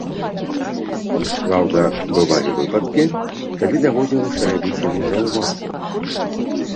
Праўда, бывалі выпадкі, калі даводзілася рабіць яму заўвагу.